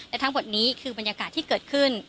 และทั้งหมดนี้คือบรรยากาศที่เกิดขึ้น